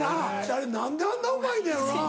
あれ何であんなうまいのやろな？